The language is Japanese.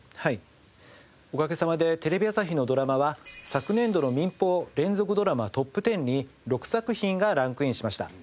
おかげさまでテレビ朝日のドラマは昨年度の民放連続ドラマトップ１０に６作品がランクインしました。